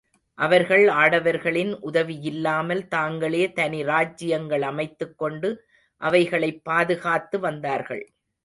அவர்கள் ஆடவர்களின் உதவியில்லாமல் தாங்களே தனி ராஜ்ஜியங்கள் அமைத்துக் கொண்டு அவைகளைப் பாதுகாத்து வந்தார்கள்.